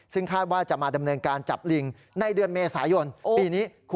ซึ่งคาดว่าจะมาดำเนินการจับลิงในเดือนเมษายนปีนี้